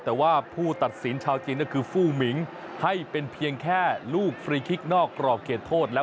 แต่ว่าผู้ตัดสินชาวจีนก็คือฟู้มิงให้เป็นเพียงแค่ลูกฟรีคิกนอกกรอบเขตโทษแล้ว